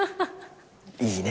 いいね。